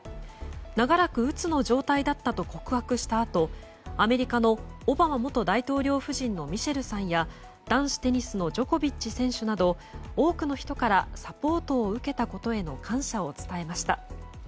長らく、うつの状態だったと告白したあとアメリカのオバマ元大統領夫人のミシェルさんや男子テニスのジョコビッチ選手など多くの人からサポートを受けたことへの感謝を伝えました。